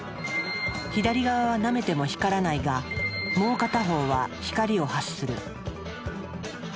左側はなめても光らないがもう片方は光を発する。